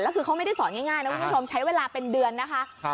แล้วคือเขาไม่ได้สอนง่ายนะคุณผู้ชมใช้เวลาเป็นเดือนนะคะ